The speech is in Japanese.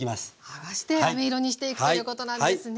はがしてあめ色にしていくということなんですね。